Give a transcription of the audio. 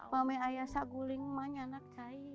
mami air cair guling mak enak cair